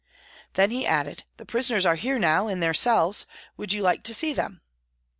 Then he added, " The prisoners are here now, in the cells, would you like to see them ?